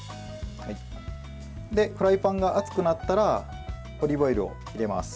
フライパンが熱くなったらオリーブオイルを入れます。